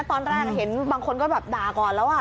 ตอนแรกเห็นบางคนก็แบบด่าก่อนแล้ว